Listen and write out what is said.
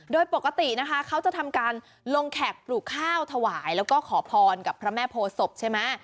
โดยปกตินะคะเขาจะทำการลงแขกปลูกข้าวถวายแล้วก็ขอพรกับพระแม่โพศพใช่ไหม